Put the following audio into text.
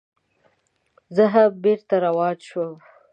زه هم بېرته روان شوم.